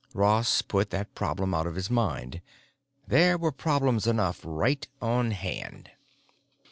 Ross put that problem out of his mind; there were problems enough right on hand.